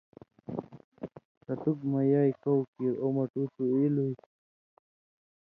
ݜتُک مہ یائے کؤ کیریۡ۔”او مٹُو تُو ایلُوئ“